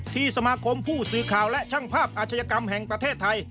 สมาคมผู้สื่อข่าวและช่างภาพอาชญากรรมแห่งประเทศไทย